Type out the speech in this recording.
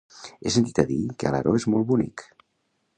He sentit a dir que Alaró és molt bonic.